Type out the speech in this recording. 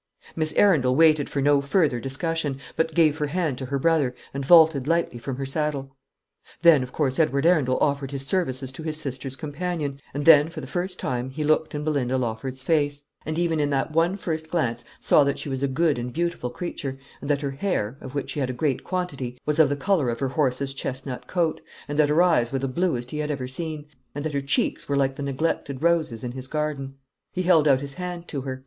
Miss Arundel waited for no further discussion, but gave her hand to her brother, and vaulted lightly from her saddle. Then, of course, Edward Arundel offered his services to his sister's companion, and then for the first time he looked in Belinda Lawford's face, and even in that one first glance saw that she was a good and beautiful creature, and that her hair, of which she had a great quantity, was of the colour of her horse's chestnut coat; that her eyes were the bluest he had ever seen, and that her cheeks were like the neglected roses in his garden. He held out his hand to her.